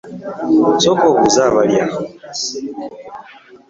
Sooka obuuze abali awo.